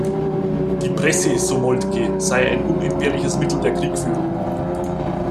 Die Presse, so Moltke, sei ein "unentbehrliches Mittel der Kriegführung".